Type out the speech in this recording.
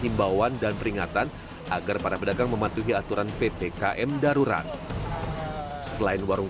inilah tindakan tegas yang dilakukan aparat satpol pp kota semarang